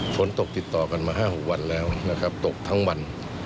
ฝนตกติดต่อกันมา๕๖วันแล้วนะครับตกทั้งวัน